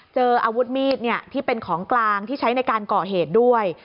เจออาวุธมีดที่เป็นของกลางที่ใช้ในการก่อเหตุด้วย